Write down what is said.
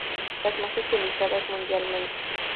Las más utilizadas mundialmente.